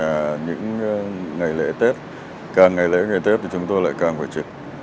và những ngày lễ tết càng ngày lễ ngày tết thì chúng tôi lại càng phải trực